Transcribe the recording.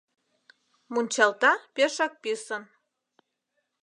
Мунчалта пешак писын.